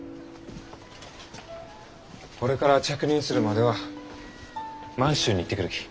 これから着任するまでは満州に行ってくるき。